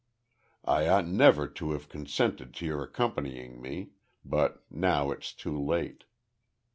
"I ought never to have consented to your accompanying me, but now it's too late.